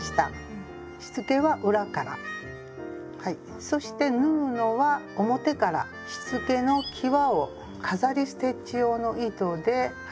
しつけは裏からはいそして縫うのは表からしつけのきわを飾りステッチ用の糸で縫っていきます。